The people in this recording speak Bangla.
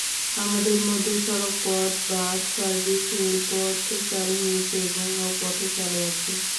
আমাদের মধ্যে সড়কপথ, বাস সার্ভিস, রেলপথ চালু হয়েছে এবং নৌপথও চালু আছে।